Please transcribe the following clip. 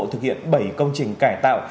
thực hiện bảy công trình cải tạo